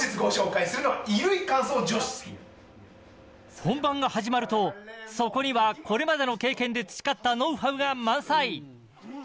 本番が始まるとそこにはこれまでの経験で培ったノウハウが満載。